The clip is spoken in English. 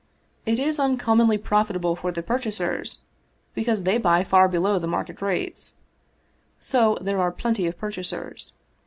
It is uncommonly profit able for the purchasers, because they buy far below the market rates. So there are plenty of purchasers.